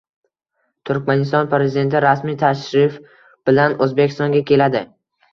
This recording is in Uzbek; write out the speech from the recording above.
Turkmaniston Prezidenti rasmiy tashrif bilan O‘zbekistonga keladi